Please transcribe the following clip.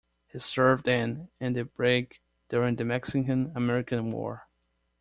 He served in and the brig during the Mexican-American War.